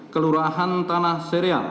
kelurahan tanah serial